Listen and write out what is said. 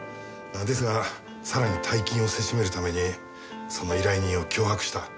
ですがさらに大金をせしめるためにその依頼人を脅迫した。